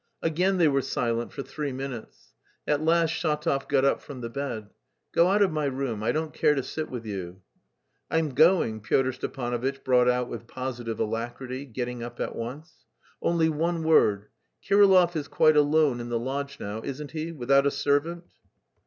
Again they were silent for three minutes. At last Shatov got up from the bed. "Go out of my room; I don't care to sit with you." "I'm going," Pyotr Stepanovitch brought out with positive alacrity, getting up at once. "Only one word: Kirillov is quite alone in the lodge now, isn't he, without a servant?"